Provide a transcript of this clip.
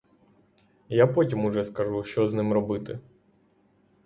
Я потім уже скажу, що з ним робити.